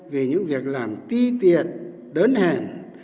vì những việc làm ti tiệt đớn hèn